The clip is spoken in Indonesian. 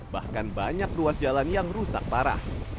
bahkan banyak ruas jalan yang rusak parah